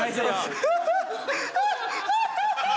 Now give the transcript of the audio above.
ハハハハハ！